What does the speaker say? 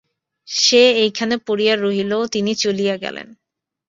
সে সেইখানে পড়িয়া রহিল, তিনি চলিয়া গেলেন।